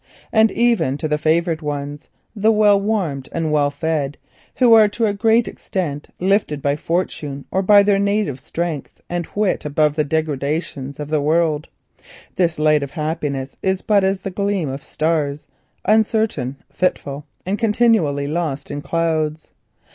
And even to the favoured ones, the well warmed and well fed, who are to a great extent lifted by fortune or by their native strength and wit above the degradations of the world, this light of happiness is but as the gleam of stars, uncertain, fitful, and continually lost in clouds.